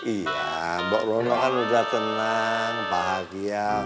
iya mbak lono kan udah tenang bahagia